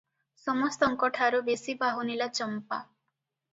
ସମସ୍ତଙ୍କଠାରୁ ବେଶି ବାହୁନିଲା ଚମ୍ପା ।